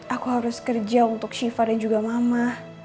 aku harus kerja untuk shiva dan juga mama